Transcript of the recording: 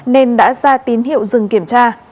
nên đã ra tín hiệu dừng kiểm tra